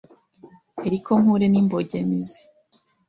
eriko mpure n’imbogemizi